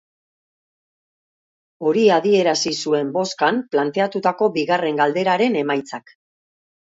Hori adierazi zuen bozkan planteatutako bigarren galderaren emaitzak.